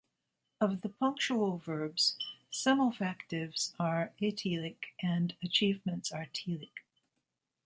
Of the punctual verbs, semelfactives are atelic, and achievements are telic.